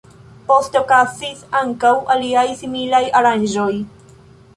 Poste okazis ankaŭ aliaj similaj aranĝoj.